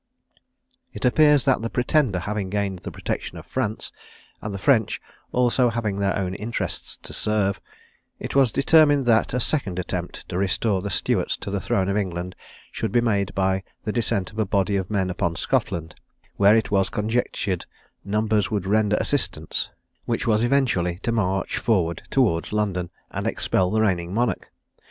It appears that the Pretender having gained the protection of France, and the French also having their own interests to serve, it was determined that a second attempt to restore the Stuarts to the throne of England should be made by the descent of a body of men upon Scotland, where it was conjectured numbers would render assistance, which was eventually to march forward towards London, and expel the reigning monarch.